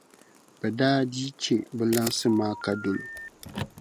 bɛ daa dii chɛ bɛ lansi maa ka dol’ o.